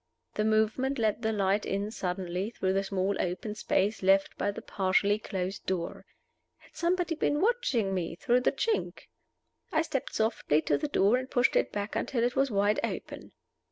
The movement let the light in suddenly through the small open space left by the partially closed door. Had somebody been watching me through the chink? I stepped softly to the door, and pushed it back until it was wide open.